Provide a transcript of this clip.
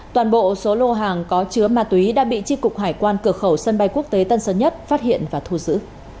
toàn bộ số lô hàng có chứa ma túy đã bị tri cục hải quan cửa khẩu sân bay quốc tế tân sơn nhất phát hiện và thu giữ